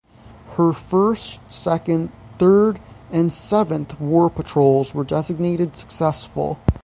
Her first, second, third, and seventh war patrols were designated successful.